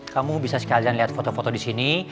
kamu bisa sekalian lihat foto foto disini